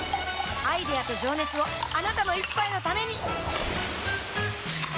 アイデアと情熱をあなたの一杯のためにプシュッ！